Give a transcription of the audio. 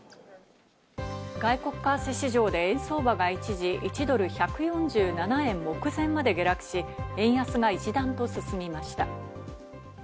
外国為替市場で円相場が一時、１ドル＝１４７円目前まで下落し、円安が一段と進みました。